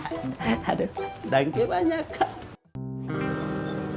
aduh nangke banyak kak